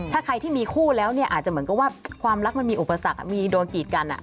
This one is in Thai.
ถ้าใครที่มีคู่แล้วเนี่ยอาจจะเหมือนกับว่าความรักมันมีอุปสรรคมีโดนกีดกัน